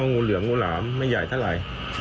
งูเหลืองงูหลามไม่ใหญ่เท่าไหร่